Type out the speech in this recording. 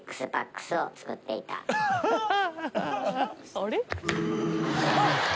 あれ？